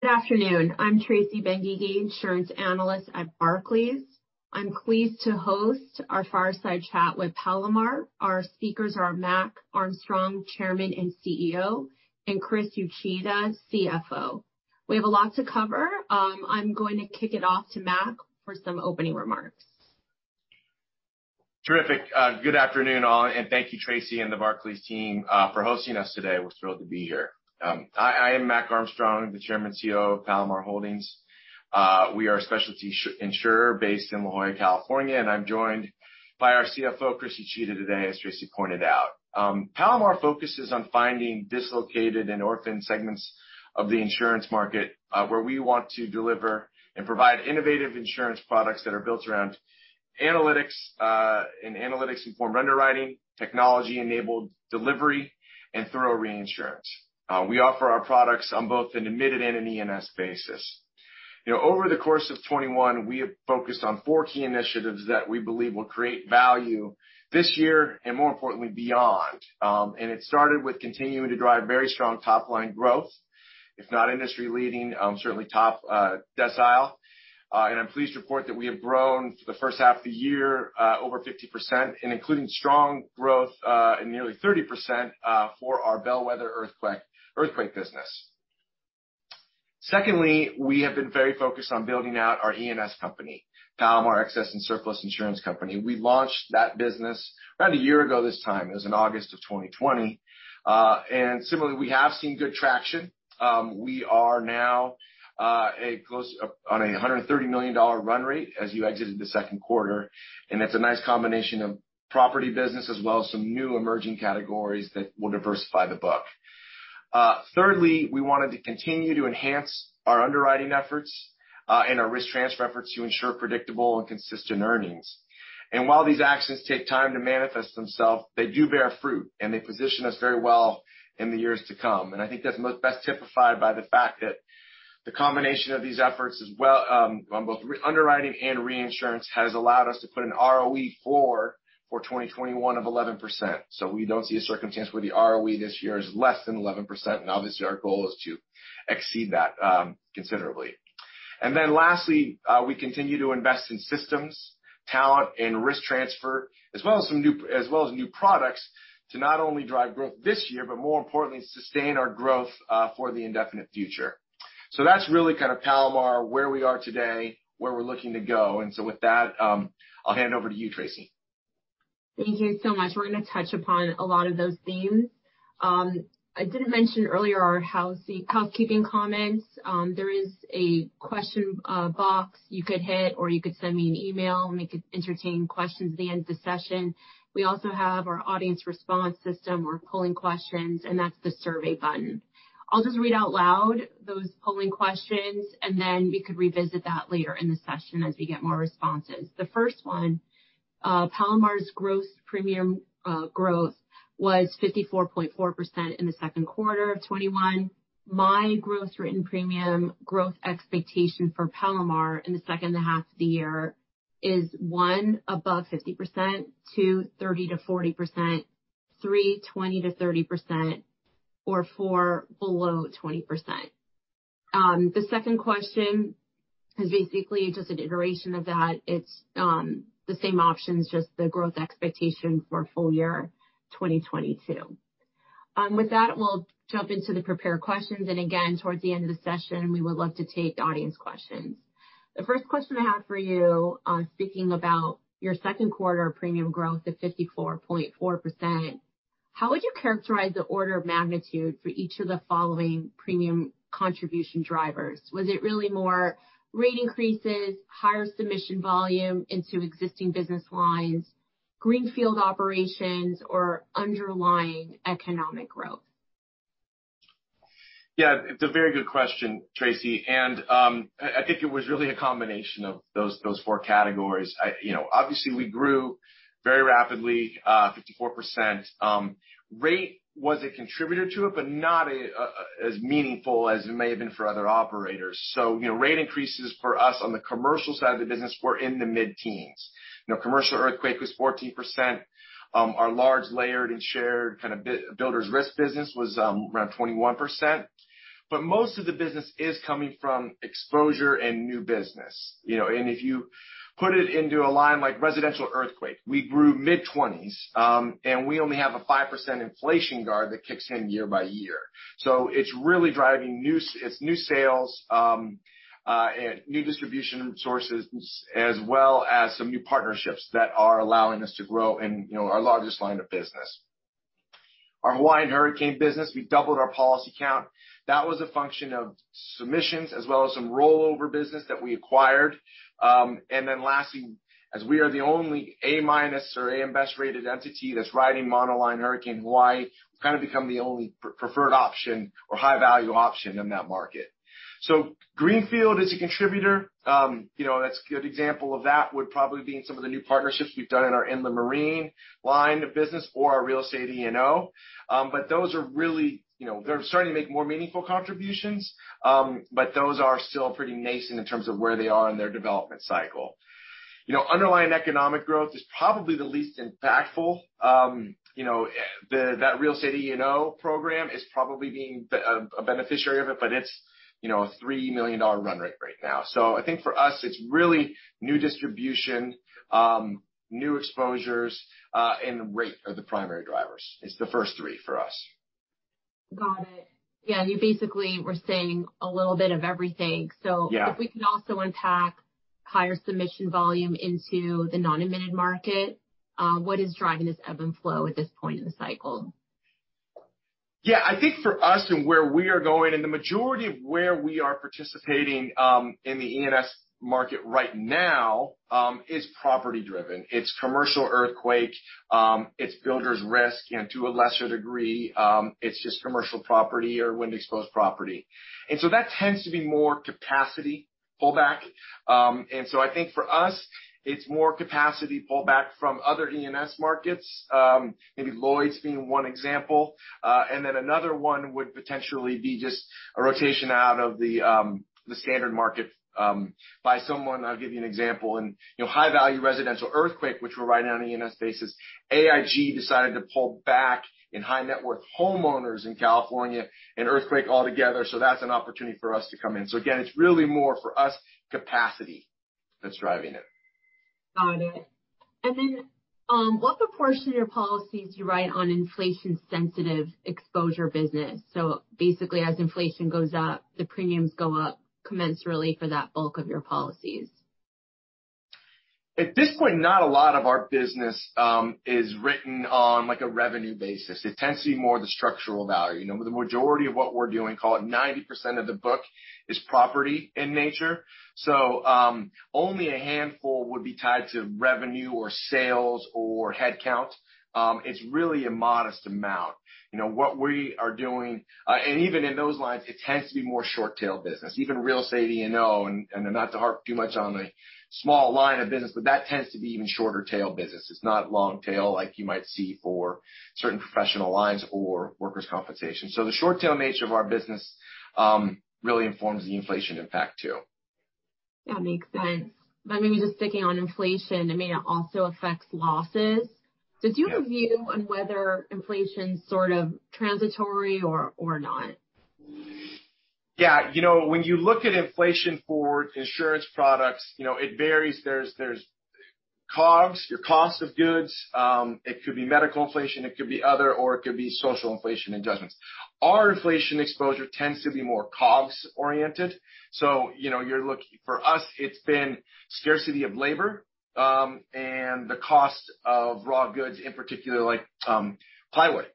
Good afternoon. I'm Tracy Benguigui, insurance analyst at Barclays. I'm pleased to host our Fireside Chat with Palomar. Our speakers are Mac Armstrong, Chairman and CEO, and Chris Uchida, CFO. We have a lot to cover. I'm going to kick it off to Mac for some opening remarks. Terrific. Good afternoon, all, and thank you, Tracy and the Barclays team for hosting us today. We're thrilled to be here. I am Mac Armstrong, the Chairman, CEO of Palomar Holdings. We are a specialty insurer based in La Jolla, California, and I'm joined by our CFO, Chris Uchida, today, as Tracy pointed out. Palomar focuses on finding dislocated and orphaned segments of the insurance market, where we want to deliver and provide innovative insurance products that are built around analytics and analytics-informed underwriting, technology-enabled delivery, and thorough reinsurance. We offer our products on both an admitted and an E&S basis. Over the course of 2021, we have focused on four key initiatives that we believe will create value this year and more importantly, beyond. It started with continuing to drive very strong top-line growth, if not industry leading, certainly top decile. I'm pleased to report that we have grown for the first half of the year over 50%, and including strong growth in nearly 30% for our bellwether earthquake business. Secondly, we have been very focused on building out our E&S company, Palomar Excess and Surplus Insurance Company. We launched that business around a year ago this time. It was in August of 2020. We have seen good traction. We are now on a $130 million run rate as you exited the second quarter, and that's a nice combination of property business as well as some new emerging categories that will diversify the book. Thirdly, we wanted to continue to enhance our underwriting efforts and our risk transfer efforts to ensure predictable and consistent earnings. While these actions take time to manifest themselves, they do bear fruit, and they position us very well in the years to come. I think that's best typified by the fact that the combination of these efforts on both underwriting and reinsurance has allowed us to put an ROE for 2021 of 11%. We don't see a circumstance where the ROE this year is less than 11%, and obviously our goal is to exceed that considerably. Lastly, we continue to invest in systems, talent, and risk transfer, as well as new products to not only drive growth this year, but more importantly, sustain our growth for the indefinite future. That's really kind of Palomar, where we are today, where we're looking to go. With that, I'll hand over to you, Tracy. Thank you so much. We're going to touch upon a lot of those themes. I did mention earlier our housekeeping comments. There is a question box you could hit, or you could send me an email, and we could entertain questions at the end of the session. We also have our audience response system. We're polling questions, and that's the survey button. I'll just read out loud those polling questions, and then we could revisit that later in the session as we get more responses. The first one, Palomar's gross premium growth was 54.4% in the second quarter of 2021. My gross written premium growth expectation for Palomar in the second half of the year is, one, above 50%, two, 30%-40%, three, 20%-30%, or four, below 20%. The second question is basically just an iteration of that. It's the same options, just the growth expectation for full year 2022. We'll jump into the prepared questions. Again, towards the end of the session, we would love to take audience questions. The first question I have for you, speaking about your second quarter premium growth of 54.4%, how would you characterize the order of magnitude for each of the following premium contribution drivers? Was it really more rate increases, higher submission volume into existing business lines, greenfield operations, or underlying economic growth? It's a very good question, Tracy. I think it was really a combination of those four categories. Obviously we grew very rapidly, 54%. Rate was a contributor to it, not as meaningful as it may have been for other operators. Rate increases for us on the commercial side of the business were in the mid-teens. Commercial earthquake was 14%. Our large layered and shared kind of builders risk business was around 21%. Most of the business is coming from exposure and new business. If you put it into a line like residential earthquake, we grew mid-20s. We only have a 5% inflation guard that kicks in year by year. It's really driving new sales, new distribution sources, as well as some new partnerships that are allowing us to grow in our largest line of business. Our Hawaiian hurricane business, we doubled our policy count. That was a function of submissions as well as some rollover business that we acquired. Lastly, as we are the only A-minus or A.M. Best rated entity that's widing monoline hurricane Hawaii, we've kind of become the only preferred option or high-value option in that market. Greenfield is a contributor. A good example of that would probably be in some of the new partnerships we've done in the marine line of business or our real estate E&O. They're starting to make more meaningful contributions, those are still pretty nascent in terms of where they are in their development cycle. Underlying economic growth is probably the least impactful. That real estate E&O program is probably being a beneficiary of it's a $3 million run rate right now. I think for us, it's really new distribution, new exposures, and rate are the primary drivers. It's the first three for us. Got it. Yeah, you basically were saying a little bit of everything. Yeah. If we could also unpack higher submission volume into the non-admitted market, what is driving this ebb and flow at this point in the cycle? Yeah, I think for us and where we are going, and the majority of where we are participating, in the E&S market right now is property driven. It's commercial earthquake, it's builder's risk and to a lesser degree, it's just commercial property or wind-exposed property. That tends to be more capacity pullback. I think for us, it's more capacity pullback from other E&S markets, maybe Lloyd's being one example. Another one would potentially be just a rotation out of the standard market by someone. I'll give you an example. In high-value residential earthquake, which we're writing on an E&S basis, AIG decided to pull back in high net worth homeowners in California in earthquake altogether. That's an opportunity for us to come in. Again, it's really more for us, capacity that's driving it. Got it. What proportion of your policies do you write on inflation-sensitive exposure business? As inflation goes up, the premiums go up commensurately for that bulk of your policies. At this point, not a lot of our business is written on a revenue basis. It tends to be more the structural value. The majority of what we're doing, call it 90% of the book, is property in nature. Only a handful would be tied to revenue or sales or head count. It's really a modest amount. What we are doing, and even in those lines, it tends to be more short-tail business. Even real estate E&O, and not to harp too much on a small line of business, but that tends to be even shorter tail business. It's not long tail like you might see for certain professional lines or workers' compensation. The short tail nature of our business really informs the inflation impact too. Yeah, makes sense. Maybe just sticking on inflation, I mean, it also affects losses. Yeah. Did you have a view on whether inflation's sort of transitory or not? Yeah. When you look at inflation for insurance products, it varies. There's COGS, your cost of goods. It could be medical inflation, it could be other, or it could be social inflation adjustments. Our inflation exposure tends to be more COGS oriented. For us, it's been scarcity of labor, and the cost of raw goods in particular like plywood.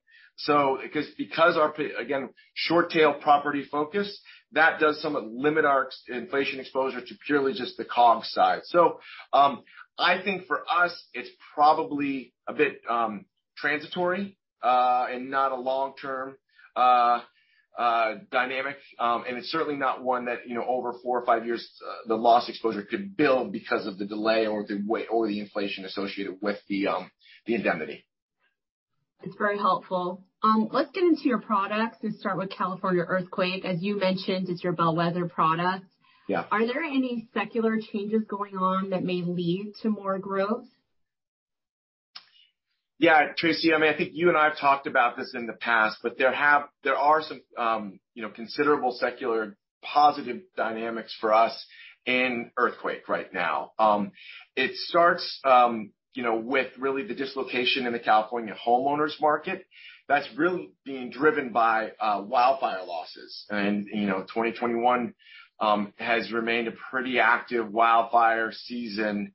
Because our, again, short tail property focus, that does somewhat limit our inflation exposure to purely just the COGS side. I think for us, it's probably a bit transitory, and not a long-term dynamic. It's certainly not one that over four or five years, the loss exposure could build because of the delay or the inflation associated with the indemnity. It's very helpful. Let's get into your products and start with California Earthquake. As you mentioned, it's your bellwether product. Yeah. Are there any secular changes going on that may lead to more growth? Yeah, Tracy, I think you and I have talked about this in the past, there are some considerable secular positive dynamics for us in earthquake right now. It starts with really the dislocation in the California homeowners market that's really being driven by wildfire losses. 2021 has remained a pretty active wildfire season.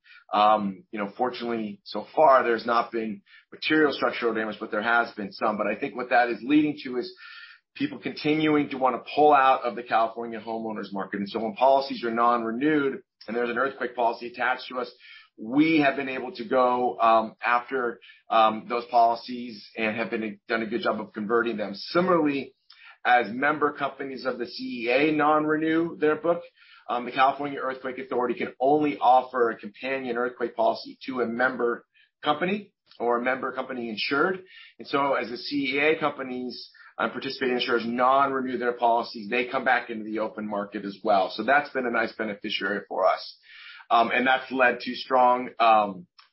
Fortunately, so far there's not been material structural damage, there has been some. I think what that is leading to is people continuing to want to pull out of the California homeowners market. When policies are non-renewed and there's an earthquake policy attached to us, we have been able to go after those policies and have done a good job of converting them. Similarly, as member companies of the CEA non-renew their book, the California Earthquake Authority can only offer a companion earthquake policy to a member company or a member company insured. As the CEA companies participate in insurers non-renew their policies, they come back into the open market as well. That's been a nice beneficiary for us. That's led to strong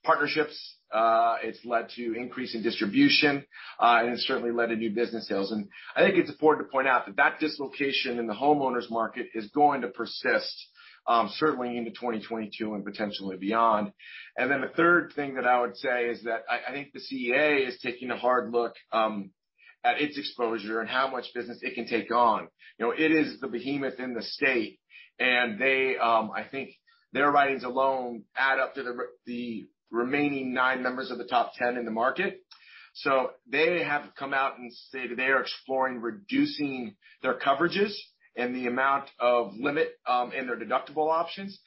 partnerships, it's led to increase in distribution, and it's certainly led to new business sales. I think it's important to point out that that dislocation in the homeowners market is going to persist, certainly into 2022 and potentially beyond. The third thing that I would say is that I think the CEA is taking a hard look at its exposure and how much business it can take on. It is the behemoth in the state, and I think their writings alone add up to the remaining nine members of the top 10 in the market. They have come out and stated they are exploring reducing their coverages and the amount of limit in their deductible options,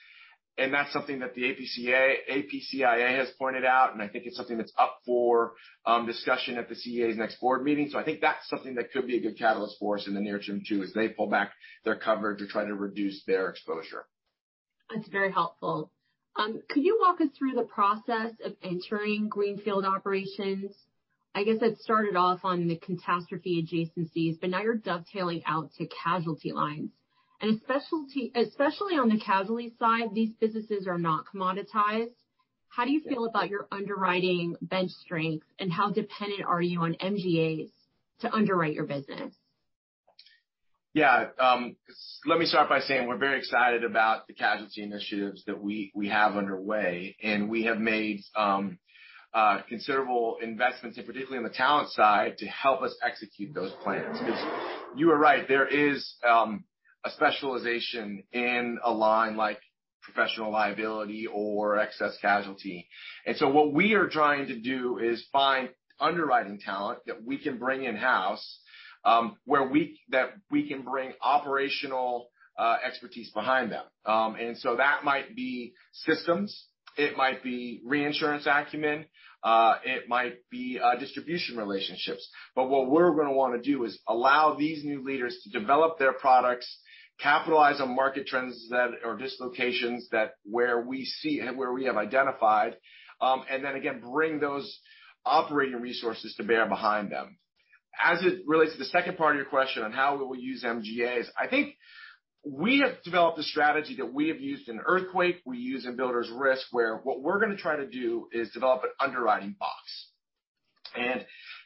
and that's something that the APCIA has pointed out, and I think it's something that's up for discussion at the CEA's next board meeting. I think that's something that could be a good catalyst for us in the near term too, as they pull back their coverage or try to reduce their exposure. That's very helpful. Could you walk us through the process of entering greenfield operations? I guess it started off on the catastrophe adjacencies, but now you're dovetailing out to casualty lines. Especially on the casualty side, these businesses are not commoditized. How do you feel about your underwriting bench strength, and how dependent are you on MGAs to underwrite your business? Yeah. Let me start by saying we're very excited about the casualty initiatives that we have underway, we have made considerable investments, and particularly on the talent side, to help us execute those plans. Because you are right, there is a specialization in a line like professional liability or excess casualty. What we are trying to do is find underwriting talent that we can bring in-house, that we can bring operational expertise behind them. That might be systems, it might be reinsurance acumen, it might be distribution relationships. What we're going to want to do is allow these new leaders to develop their products, capitalize on market trends that are dislocations, where we have identified, and then again, bring those operating resources to bear behind them. As it relates to the second part of your question on how we will use MGAs, I think we have developed a strategy that we have used in earthquake, we use in builders risk, where what we're going to try to do is develop an underwriting box.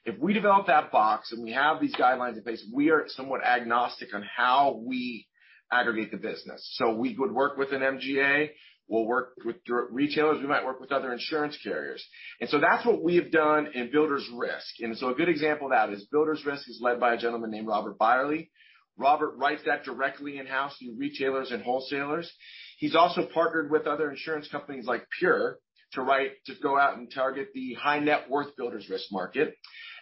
If we develop that box and we have these guidelines in place, we are somewhat agnostic on how we aggregate the business. We would work with an MGA, we'll work with direct retailers, we might work with other insurance carriers. That's what we have done in builders risk. A good example of that is builders risk is led by a gentleman named Robert Byerly. Robert writes that directly in-house through retailers and wholesalers. He's also partnered with other insurance companies like PURE to go out and target the high net worth builders risk market.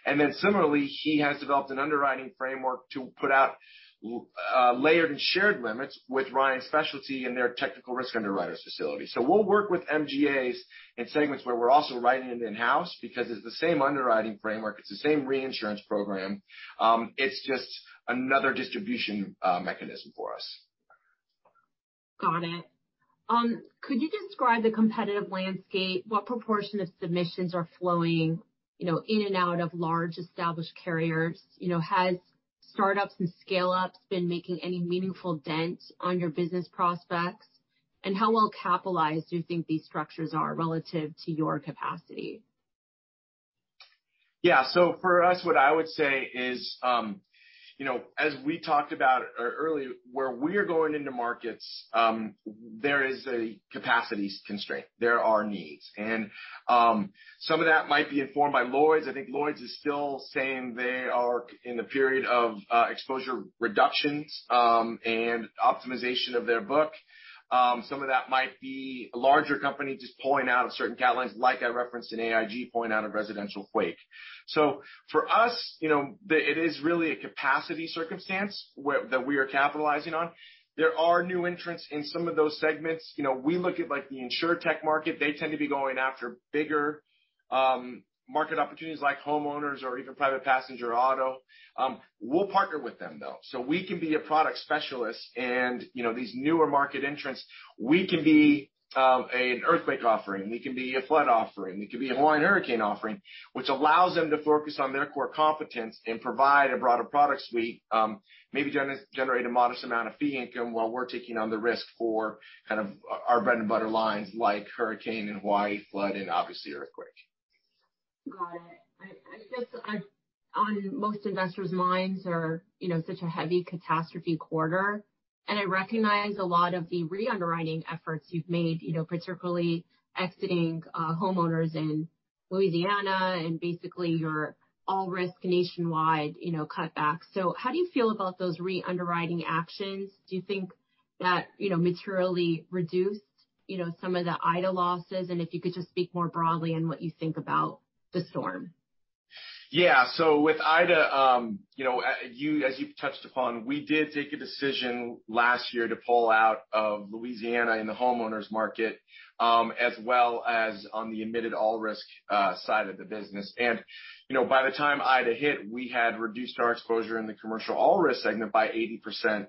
Similarly, he has developed an underwriting framework to put out layered and shared limits with Ryan Specialty and their technical risk underwriters facility. We'll work with MGAs in segments where we're also writing it in-house because it's the same underwriting framework, it's the same reinsurance program. It's just another distribution mechanism for us. Got it. Could you describe the competitive landscape? What proportion of submissions are flowing in and out of large established carriers? Has startups and scale-ups been making any meaningful dent on your business prospects? How well capitalized do you think these structures are relative to your capacity? Yeah. For us, what I would say is, as we talked about earlier, where we are going into markets, there is a capacities constraint. There are needs. Some of that might be informed by Lloyd's. I think Lloyd's is still saying they are in the period of exposure reductions and optimization of their book. Some of that might be a larger company just pulling out of certain guidelines, like I referenced in AIG, pulling out of residential quake. For us, it is really a capacity circumstance that we are capitalizing on. There are new entrants in some of those segments. We look at the insurtech market. They tend to be going after bigger market opportunities like homeowners or even private passenger auto. We'll partner with them, though. We can be a product specialist and these newer market entrants, we can be an earthquake offering. We can be a flood offering. We can be a Hawaiian hurricane offering, which allows them to focus on their core competence and provide a broader product suite. Maybe generate a modest amount of fee income while we're taking on the risk for our bread and butter lines like hurricane in Hawaii, flood, and obviously earthquake. Got it. I guess on most investors' minds are such a heavy catastrophe quarter, and I recognize a lot of the re-underwriting efforts you've made, particularly exiting homeowners in Louisiana and basically your all-risk nationwide cutbacks. How do you feel about those re-underwriting actions? Do you think that materially reduced some of the Hurricane Ida losses? If you could just speak more broadly on what you think about the storm. Yeah. With Hurricane Ida, as you've touched upon, we did take a decision last year to pull out of Louisiana in the homeowners market, as well as on the admitted all risk side of the business. By the time Hurricane Ida hit, we had reduced our exposure in the commercial all risk segment by 80%.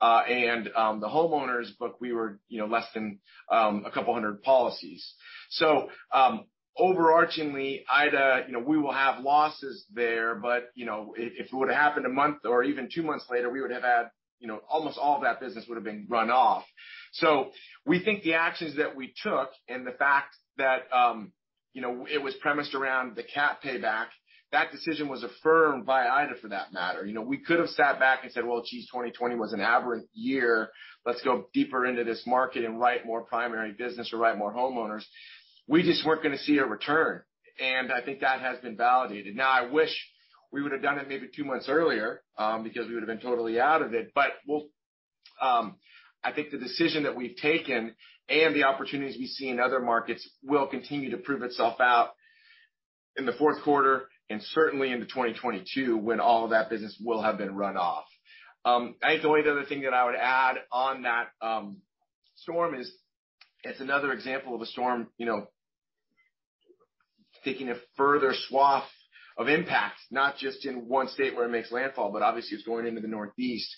The homeowners book, we were less than a couple hundred policies. Overarchingly, Hurricane Ida, we will have losses there, but if it would have happened a month or even two months later, almost all of that business would have been run off. We think the actions that we took and the fact that it was premised around the cat payback, that decision was affirmed by Hurricane Ida for that matter. We could have sat back and said, "Well, geez, 2020 was an aberrant year. Let's go deeper into this market and write more primary business or write more homeowners." We just weren't going to see a return, I think that has been validated. I wish we would have done it maybe two months earlier, because we would have been totally out of it. I think the decision that we've taken and the opportunities we see in other markets will continue to prove itself out in the fourth quarter and certainly into 2022, when all of that business will have been run off. I think the only other thing that I would add on that storm is it's another example of a storm taking a further swath of impact, not just in one state where it makes landfall, but obviously it's going into the Northeast.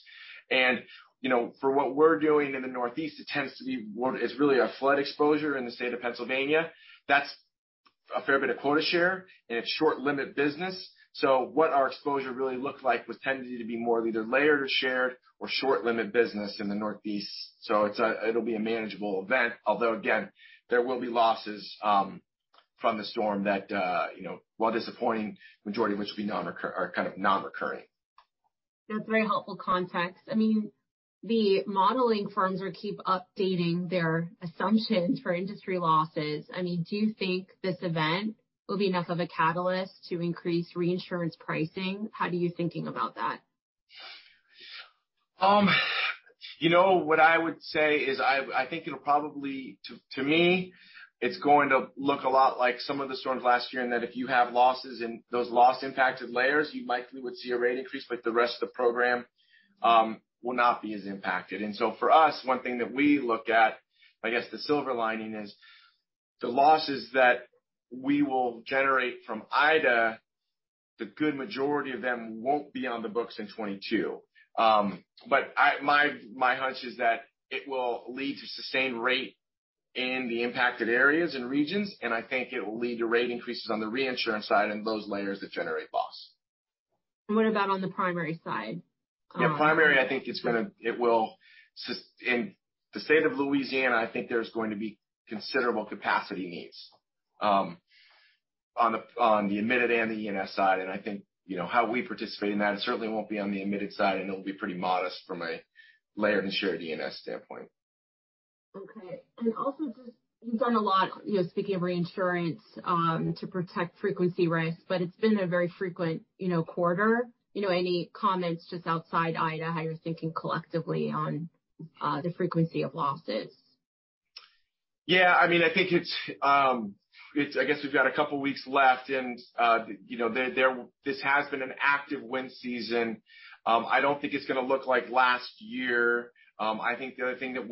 For what we're doing in the Northeast, it tends to be what is really a flood exposure in the state of Pennsylvania. That's a fair bit of quota share, and it's short limit business. What our exposure really looked like was tended to be more either layered or shared or short limit business in the Northeast. It'll be a manageable event, although, again, there will be losses from the storm that, while disappointing, majority of which will be kind of non-recurring. That's very helpful context. The modeling firms will keep updating their assumptions for industry losses. Do you think this event will be enough of a catalyst to increase reinsurance pricing? How do you thinking about that? What I would say is, I think it'll probably, to me, it's going to look a lot like some of the storms last year, in that if you have losses in those loss impacted layers, you likely would see a rate increase, but the rest of the program will not be as impacted. For us, one thing that we look at, I guess the silver lining is, the losses that we will generate from Ida, the good majority of them won't be on the books in 2022. My hunch is that it will lead to sustained rate in the impacted areas and regions, and I think it will lead to rate increases on the reinsurance side and those layers that generate loss. What about on the primary side? Yeah, primary, in the State of Louisiana, I think there's going to be considerable capacity needs on the admitted and the E&S side. I think, how we participate in that, it certainly won't be on the admitted side, and it'll be pretty modest from a layer and share E&S standpoint. Okay. Also, you've done a lot, speaking of reinsurance, to protect frequency risk, but it's been a very frequent quarter. Any comments just outside Ida, how you're thinking collectively on the frequency of losses? Yeah. I guess we've got a couple weeks left and this has been an active wind season. I don't think it's going to look like last year. I think the other thing that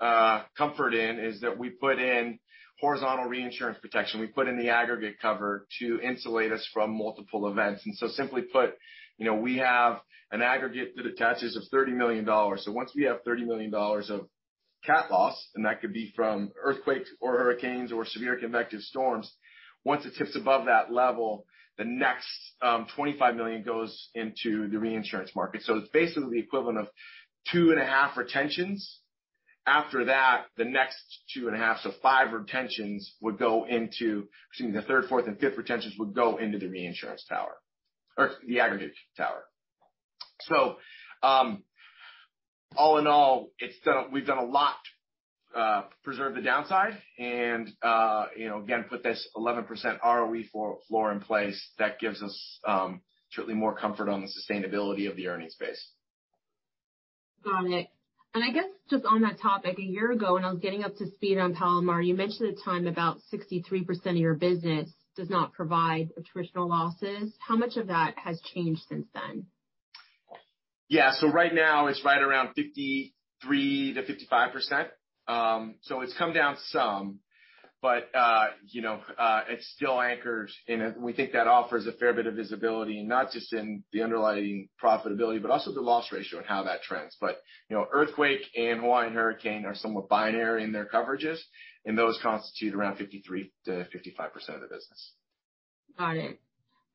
we take comfort in is that we put in horizontal reinsurance protection. We put in the aggregate cover to insulate us from multiple events. Simply put, we have an aggregate that attaches of $30 million. So once we have $30 million of cat loss, and that could be from earthquakes or hurricanes or severe convective storms, once it tips above that level, the next $25 million goes into the reinsurance market. So it's basically the equivalent of two and a half retentions. After that, the next two and a half, so five retentions would go into Excuse me, the third, fourth, and fifth retentions would go into the reinsurance tower or the aggregate tower. All in all, we've done a lot to preserve the downside and again, put this 11% ROE floor in place that gives us certainly more comfort on the sustainability of the earnings base. Got it. I guess just on that topic, a year ago, when I was getting up to speed on Palomar, you mentioned at the time about 63% of your business does not provide attritional losses. How much of that has changed since then? Yeah. Right now it's right around 53%-55%. It's come down some. It's still anchored, and we think that offers a fair bit of visibility, not just in the underlying profitability, but also the loss ratio and how that trends. Earthquake and Hawaiian hurricane are somewhat binary in their coverages, and those constitute around 53%-55% of the business. Got it.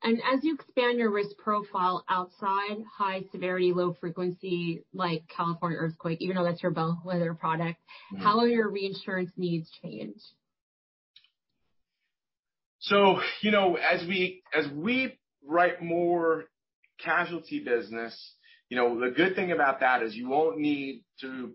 As you expand your risk profile outside high severity, low frequency, like California Earthquake, even though that's your bellwether product, How will your reinsurance needs change? As we write more casualty business, the good thing about that is you won't need to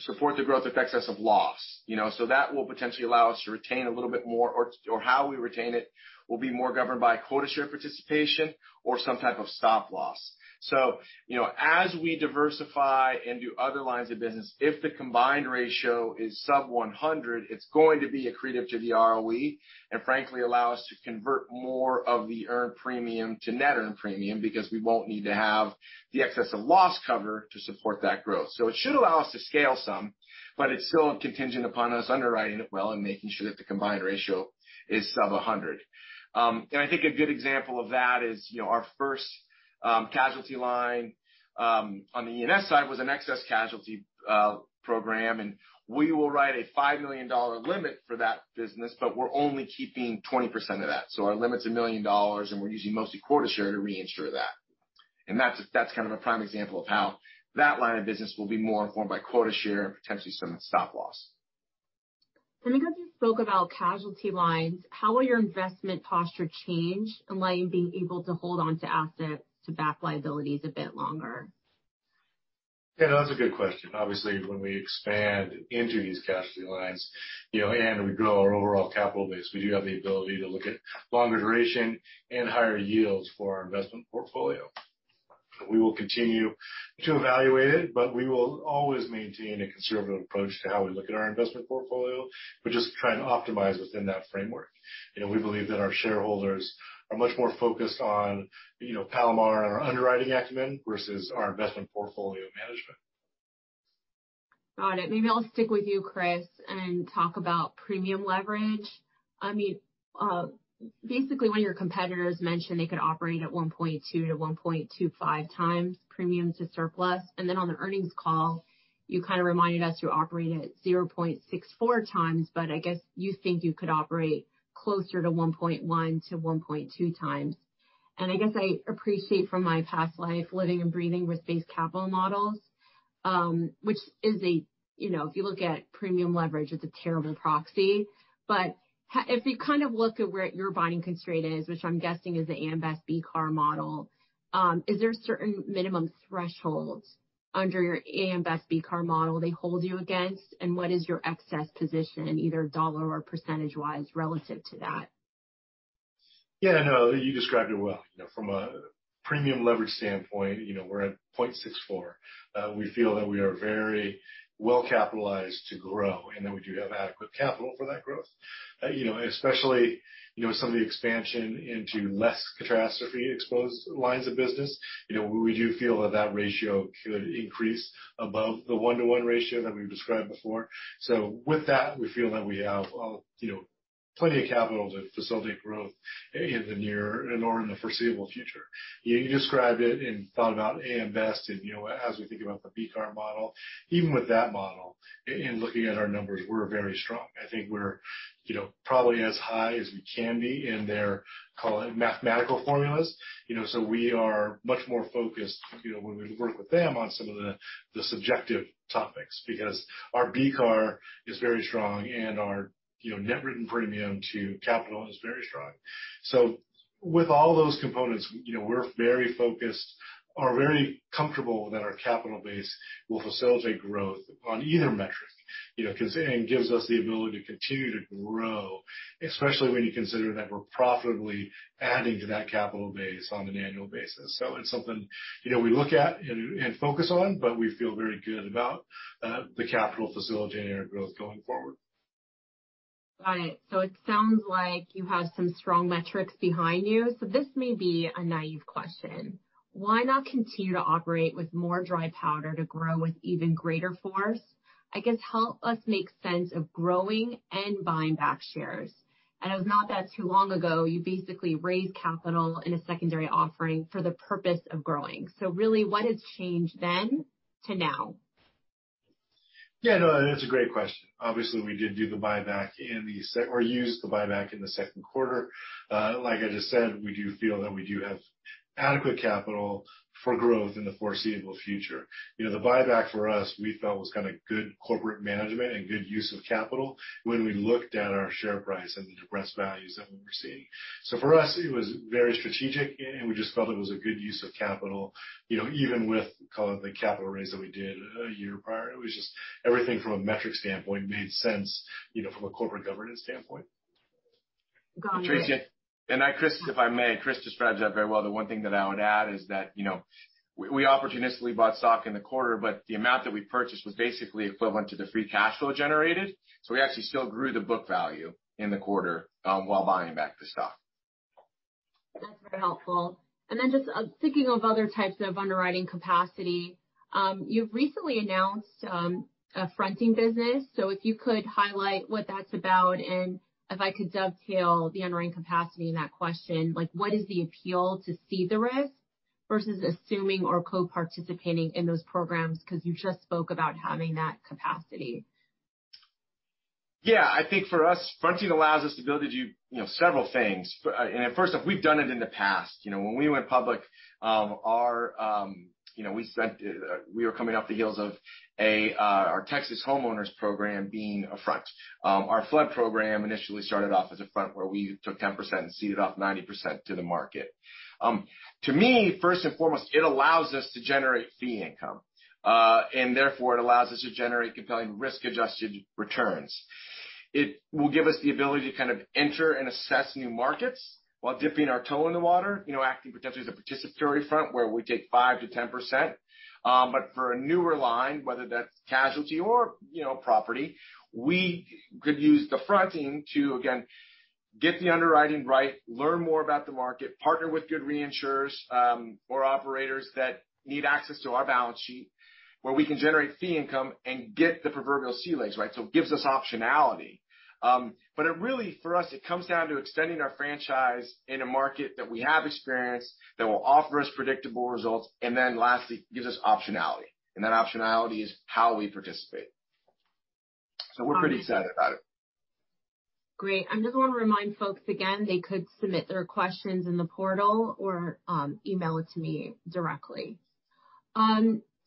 support the growth with excess of loss. That will potentially allow us to retain a little bit more, or how we retain it will be more governed by quota share participation or some type of stop loss. As we diversify and do other lines of business, if the combined ratio is sub 100, it's going to be accretive to the ROE, and frankly, allow us to convert more of the earned premium to net earned premium because we won't need to have the excess of loss cover to support that growth. It should allow us to scale some, but it's still contingent upon us underwriting it well and making sure that the combined ratio is sub 100. I think a good example of that is, our first casualty line, on the E&S side, was an excess casualty program and we will write a $5 million limit for that business, but we're only keeping 20% of that. Our limit's $1 million and we're using mostly quota share to reinsure that. That's a prime example of how that line of business will be more informed by quota share and potentially some stop loss. Because you spoke about casualty lines, how will your investment posture change in light of you being able to hold onto assets to back liabilities a bit longer? Yeah, that's a good question. Obviously, when we expand into these casualty lines, and we grow our overall capital base, we do have the ability to look at longer duration and higher yields for our investment portfolio. We will continue to evaluate it, but we will always maintain a conservative approach to how we look at our investment portfolio. We're just trying to optimize within that framework. We believe that our shareholders are much more focused on Palomar and our underwriting acumen versus our investment portfolio management. Got it. Maybe I'll stick with you, Chris, and talk about premium leverage. Basically, one of your competitors mentioned they could operate at 1.2 to 1.25 times premium to surplus. On the earnings call, you reminded us you operate at 0.64 times, but I guess you think you could operate closer to 1.1 to 1.2 times. I guess I appreciate from my past life living and breathing risk-based capital models, which if you look at premium leverage, it's a terrible proxy. If you look at where your binding constraint is, which I'm guessing is the A.M. Best BCAR model, is there a certain minimum threshold under your A.M. Best BCAR model they hold you against? What is your excess position in either dollar or percentage-wise relative to that? You described it well. From a premium leverage standpoint, we're at 0.64. We feel that we are very well-capitalized to grow, and that we do have adequate capital for that growth. Especially, some of the expansion into less catastrophe exposed lines of business. We do feel that that ratio could increase above the 1-to-1 ratio that we've described before. With that, we feel that we have plenty of capital to facilitate growth in the near and/or in the foreseeable future. You described it and thought about A.M. Best and as we think about the BCAR model. Even with that model, in looking at our numbers, we're very strong. I think we're probably as high as we can be in their mathematical formulas. We are much more focused when we work with them on some of the subjective topics, because our BCAR is very strong and our net written premium to capital is very strong. With all those components, we're very focused, are very comfortable that our capital base will facilitate growth on either metric and gives us the ability to continue to grow, especially when you consider that we're profitably adding to that capital base on an annual basis. It's something we look at and focus on, but we feel very good about the capital facilitating our growth going forward. Got it. It sounds like you have some strong metrics behind you. This may be a naive question. Why not continue to operate with more dry powder to grow with even greater force? I guess help us make sense of growing and buying back shares. It was not that too long ago, you basically raised capital in a secondary offering for the purpose of growing. Really, what has changed then to now? Yeah, no, that's a great question. Obviously, we did do the buyback or used the buyback in the second quarter. Like I just said, we do feel that we do have adequate capital for growth in the foreseeable future. The buyback for us, we felt was good corporate management and good use of capital when we looked at our share price and the depressed values that we were seeing. For us, it was very strategic, and we just felt it was a good use of capital. Even with the capital raise that we did a year prior. It was just everything from a metric standpoint made sense, from a corporate governance standpoint. Got it. Chris, if I may. Chris described that very well. The one thing that I would add is that we opportunistically bought stock in the quarter, but the amount that we purchased was basically equivalent to the free cash flow generated. We actually still grew the book value in the quarter, while buying back the stock. That's very helpful. Just thinking of other types of underwriting capacity. You've recently announced a fronting business, so if you could highlight what that's about and if I could dovetail the underwriting capacity in that question, like what is the appeal to cede the risk versus assuming or co-participating in those programs? You just spoke about having that capacity. Yeah, I think for us, fronting allows us to be able to do several things. First off, we've done it in the past. When we went public, we were coming off the heels of our Texas homeowners program being a front. Our flood program initially started off as a front where we took 10% and ceded off 90% to the market. To me, first and foremost, it allows us to generate fee income. Therefore, it allows us to generate compelling risk-adjusted returns. It will give us the ability to enter and assess new markets while dipping our toe in the water, acting potentially as a participatory front where we take 5%-10%. For a newer line, whether that's casualty or property, we could use the fronting to, again, get the underwriting right, learn more about the market, partner with good reinsurers, or operators that need access to our balance sheet, where we can generate fee income and get the proverbial sea legs. It gives us optionality. It really, for us, it comes down to extending our franchise in a market that we have experience, that will offer us predictable results, and then lastly, gives us optionality. That optionality is how we participate. We're pretty excited about it. Great. I just want to remind folks again, they could submit their questions in the portal or email it to me directly.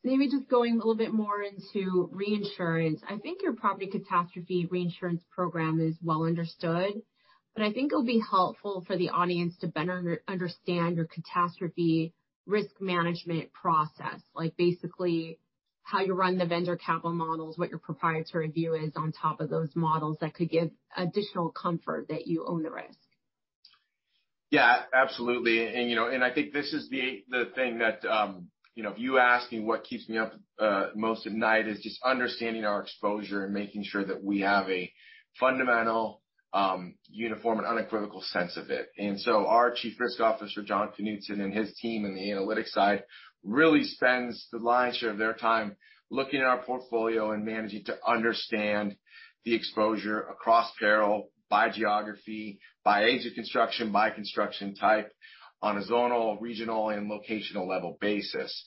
Maybe just going a little bit more into reinsurance. I think your property catastrophe reinsurance program is well understood, but I think it'll be helpful for the audience to better understand your catastrophe risk management process. Like basically how you run the vendor capital models, what your proprietary view is on top of those models that could give additional comfort that you own the risk. Yeah, absolutely. I think this is the thing that if you ask me what keeps me up most at night is just understanding our exposure and making sure that we have a fundamental uniform and unequivocal sense of it. Our Chief Risk Officer, Jon Knutzen, and his team in the analytics side, really spends the lion's share of their time looking at our portfolio and managing to understand the exposure across peril by geography, by age of construction, by construction type, on a zonal, regional, and locational level basis.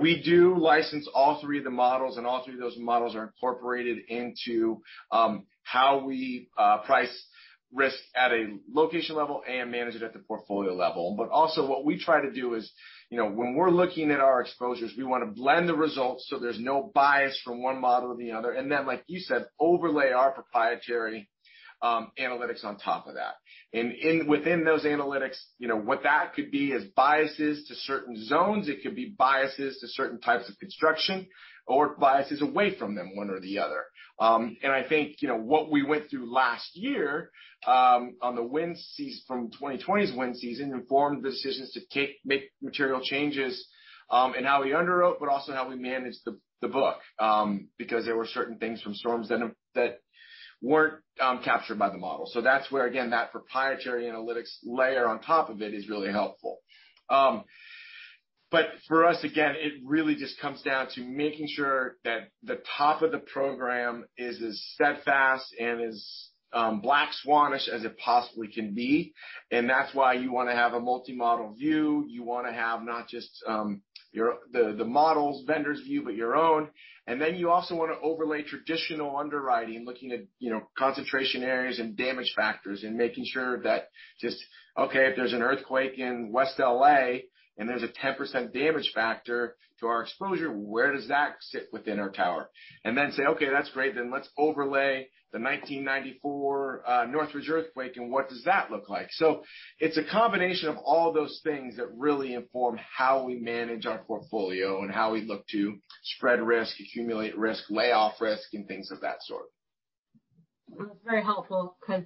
We do license all three of the models, and all three of those models are incorporated into how we price risk at a location level and manage it at the portfolio level. Also what we try to do is when we're looking at our exposures, we want to blend the results so there's no bias from one model to the other. Then, like you said, overlay our proprietary analytics on top of that. Within those analytics, what that could be is biases to certain zones, it could be biases to certain types of construction, or biases away from them, one or the other. I think what we went through last year from 2020's wind season informed decisions to make material changes in how we underwrote, but also how we managed the book, because there were certain things from storms that weren't captured by the model. That's where, again, that proprietary analytics layer on top of it is really helpful. For us, again, it really just comes down to making sure that the top of the program is as steadfast and as black swan-ish as it possibly can be. That's why you want to have a multi-model view. You want to have not just the model's vendor's view, but your own. Then you also want to overlay traditional underwriting, looking at concentration areas and damage factors, and making sure that just, okay, if there's an earthquake in West L.A. and there's a 10% damage factor to our exposure, where does that sit within our tower? Then say, "Okay, that's great. Then let's overlay the 1994 Northridge earthquake, and what does that look like?" It's a combination of all those things that really inform how we manage our portfolio and how we look to spread risk, accumulate risk, lay off risk, and things of that sort. That's very helpful because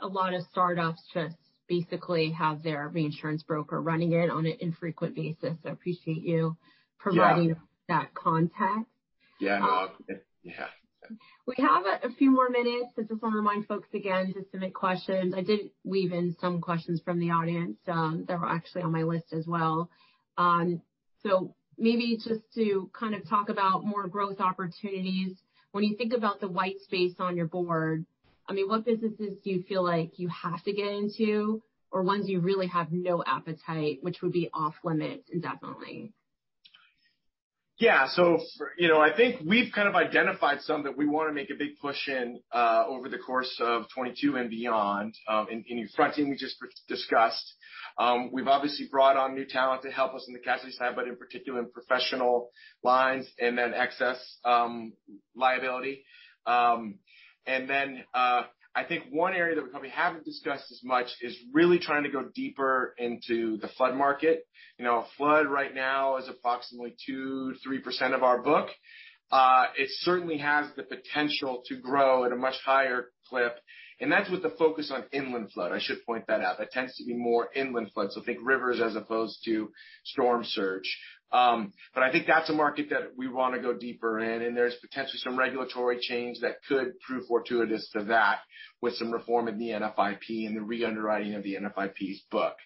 a lot of startups just basically have their reinsurance broker running it on an infrequent basis. I appreciate. Yeah Providing that context. Yeah. We have a few more minutes. I just want to remind folks again to submit questions. I did weave in some questions from the audience that were actually on my list as well. Maybe just to talk about more growth opportunities. When you think about the white space on your board, what businesses do you feel like you have to get into, or ones you really have no appetite, which would be off-limits indefinitely? I think we've kind of identified some that we want to make a big push in over the course of 2022 and beyond. In fronting, we just discussed. We've obviously brought on new talent to help us in the casualty side, but in particular in professional lines and excess liability. I think one area that we probably haven't discussed as much is really trying to go deeper into the flood market. Flood right now is approximately 2%-3% of our book. It certainly has the potential to grow at a much higher clip, and that's with the focus on inland flood. I should point that out. That tends to be more inland flood, so think rivers as opposed to storm surge. I think that's a market that we want to go deeper in, and there's potentially some regulatory change that could prove fortuitous to that with some reform in the NFIP and the re-underwriting of the NFIP's book.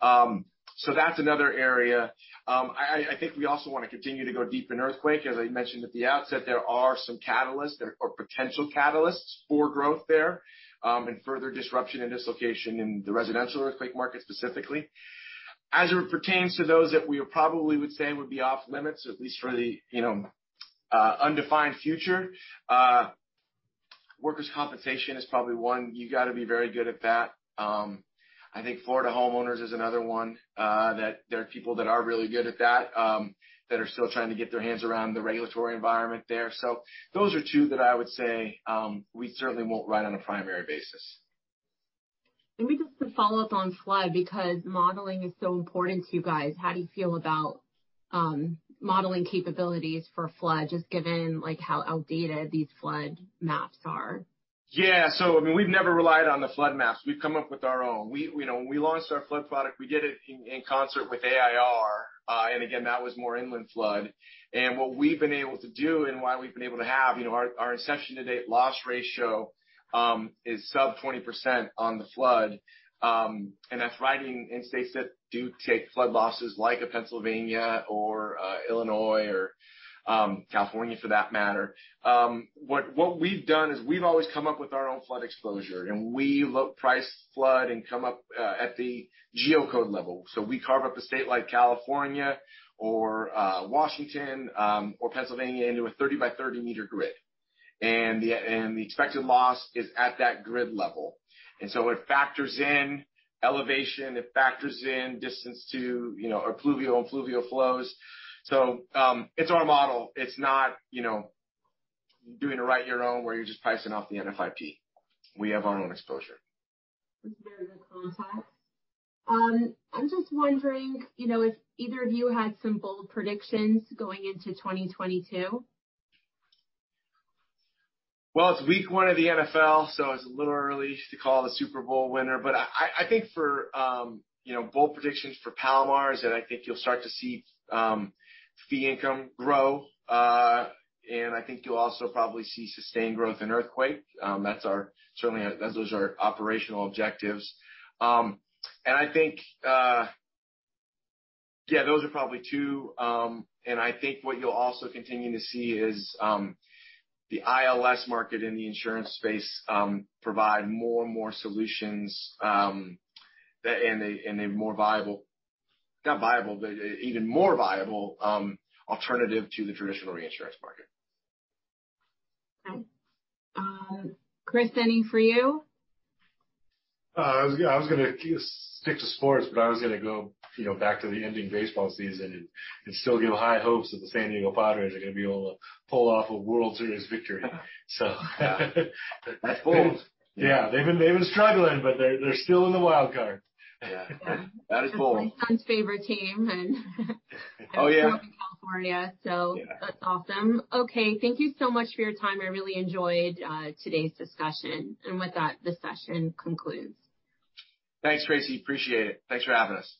That's another area. I think we also want to continue to go deep in earthquake. As I mentioned at the outset, there are some catalysts or potential catalysts for growth there and further disruption and dislocation in the residential earthquake market specifically. As it pertains to those that we probably would say would be off-limits, at least for the undefined future, workers' compensation is probably one. You've got to be very good at that. I think Florida homeowners is another one that there are people that are really good at that are still trying to get their hands around the regulatory environment there. Those are two that I would say we certainly won't write on a primary basis. Let me do some follow-up on flood because modeling is so important to you guys. How do you feel about modeling capabilities for flood, just given how outdated these flood maps are? Yeah. We've never relied on the flood maps. We've come up with our own. When we launched our flood product, we did it in concert with AIR, and again, that was more inland flood. What we've been able to do and why we've been able to have our inception to date loss ratio is sub 20% on the flood, and that's writing in states that do take flood losses like a Pennsylvania or Illinois or California for that matter. What we've done is we've always come up with our own flood exposure, and we price flood and come up at the geocode level. We carve up a state like California or Washington or Pennsylvania into a 30 by 30-meter grid. The expected loss is at that grid level. It factors in elevation, it factors in distance to alluvial and fluvial flows. It's our model. It's not doing a write your own where you're just pricing off the NFIP. We have our own exposure. That's a very good context. I'm just wondering if either of you had some bold predictions going into 2022. Well, it's week one of the NFL, so it's a little early to call the Super Bowl winner. I think for bold predictions for Palomar is that I think you'll start to see fee income grow. I think you'll also probably see sustained growth in earthquake. Certainly, those are operational objectives. Yeah, those are probably two. I think what you'll also continue to see is the ILS market in the insurance space provide more and more solutions, and an even more viable alternative to the traditional reinsurance market. Okay. Chris, any for you? I was going to stick to sports, I was going to go back to the ending baseball season and still give high hopes that the San Diego Padres are going to be able to pull off a World Series victory. Yeah. That's bold. Yeah. They've been struggling, they're still in the wildcard. Yeah. That is bold. That's my son's favorite team. Oh, yeah. I grew up in California, that's awesome. Okay, thank you so much for your time. I really enjoyed today's discussion. With that, this session concludes. Thanks, Tracy. Appreciate it. Thanks for having us